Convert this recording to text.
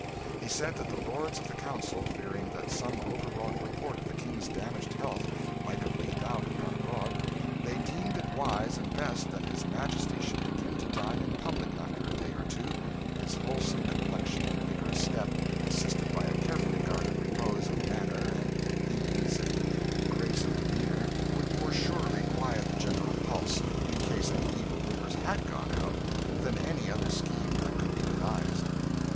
He said that the Lords of the Council, fearing that some overwrought report of the King's damaged health might have leaked out and got abroad, they deemed it wise and best that his Majesty should begin to dine in public after a day or two his wholesome complexion and vigorous step, assisted by a carefully guarded repose of manner and ease and grace of demeanour, would more surely quiet the general pulse in case any evil rumours had gone about than any other scheme that could be devised.